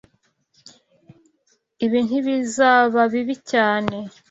Ibi ntibizaba bibi cyane.